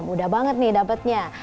mudah banget nih dapetnya